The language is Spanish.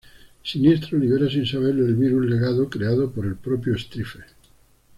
Siniestro libera sin saberlo el Virus Legado creado por el propio Stryfe.